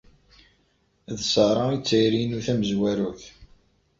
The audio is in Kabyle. D Sarah i d tayri-inu tamezwarut.